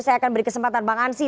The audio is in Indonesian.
saya akan beri kesempatan bang ansyi